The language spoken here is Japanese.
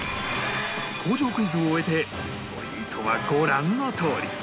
工場クイズを終えてポイントはご覧のとおり